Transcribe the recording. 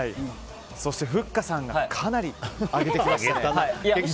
そして、ふっかさんがかなり上げてきました。